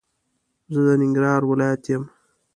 زه د ننګرهار ولايت يم